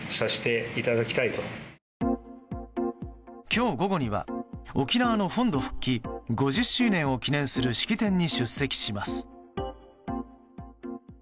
今日午後には沖縄の本土復帰５０周年を記念する式典に出席します。